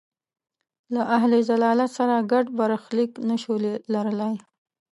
له اهل ضلالت سره ګډ برخلیک نه شو لرلای.